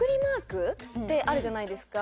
ってあるじゃないですか